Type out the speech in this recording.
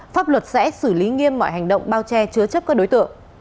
pháp luật sẽ xử lý nghiêm mọi hành động bao che chứa chấp các đối tượng